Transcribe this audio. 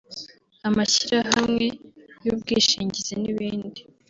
amashyirahamwe y’ubwishingizi n’ibindi